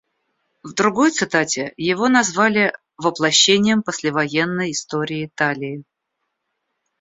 В другой цитате его назвали «воплощением послевоенной истории Италии».